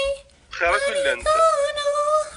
Bxiṛ akk i llant.